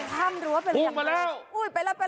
พูมมาแล้ว